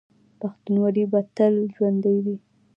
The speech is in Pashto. پښتونولي به تل ژوندي وي.